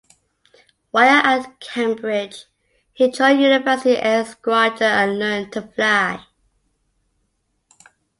While at Cambridge he joined the University Air Squadron and learnt to fly.